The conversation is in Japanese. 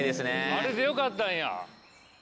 あれでよかったんや。